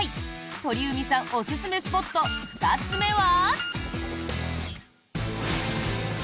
鳥海さんおすすめスポット２つ目は。